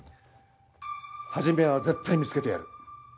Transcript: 始は絶対見つけてやる。